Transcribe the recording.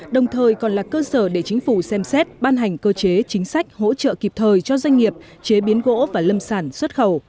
đồng thời còn là cơ sở để chính phủ xem xét ban hành cơ chế chính sách hỗ trợ kịp thời cho doanh nghiệp chế biến gỗ và lâm sản xuất khẩu